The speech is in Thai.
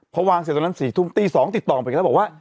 เพราะวางเสร็จตอนนั้นสี่ทุ่มตีสองติดต่อมาอีกแล้วบอกว่า